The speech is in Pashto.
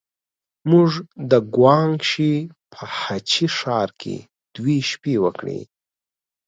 موږ د ګوانګ شي په هه چه ښار کې دوې شپې وکړې.